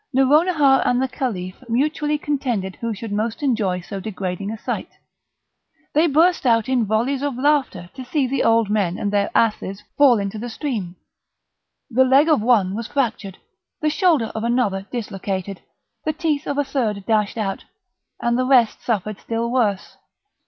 Nouronihar and the Caliph mutually contended who should most enjoy so degrading a sight; they burst out in volleys of laughter to see the old men and their asses fall into the stream; the leg of one was fractured, the shoulder of another dislocated, the teeth of a third dashed out, and the rest suffered still worse.